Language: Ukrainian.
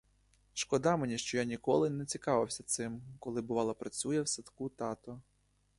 Шкода мені, що я ніколи не цікавився цим, коли бувало працює в садку тато.